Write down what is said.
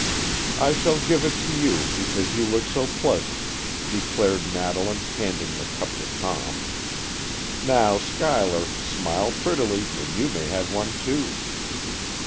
"I shall give it to you, because you look so pleasant," declared Madeleine, handing the cup to Tom. "Now, Schuyler, smile prettily and you may have one, too."